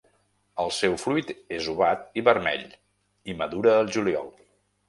El seu fruit és ovat i vermell i madura al juliol.